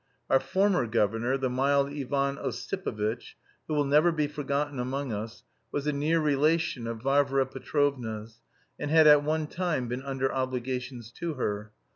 Our former governor, the mild Ivan Ossipovitch, who will never be forgotten among us, was a near relation of Varvara Petrovna's, and had at one time been under obligations to her.